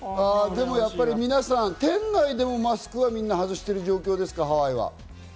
でも、やっぱり皆さん、店内でもマスクはみんな、外している状況ですか？